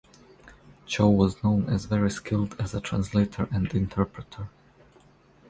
Choe was known as very skilled as a translator and interpreter.